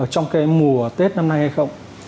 trong cái mùa tết năm nay hay không